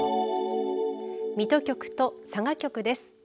水戸局と佐賀局です。